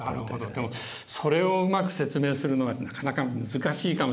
でもそれをうまく説明するのはなかなか難しいかもしれないね。